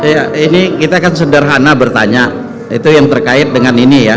ya ini kita kan sederhana bertanya itu yang terkait dengan ini ya